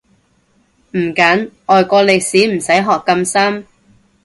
唔緊，外國歷史唔使學咁深